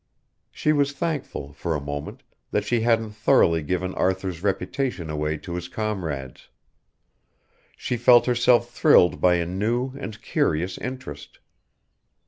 She was thankful, for a moment, that she hadn't thoughtlessly given Arthur's reputation away to his comrades. She felt herself thrilled by a new and curious interest.